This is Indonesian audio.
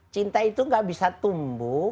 cinta itu gak bisa tumbuh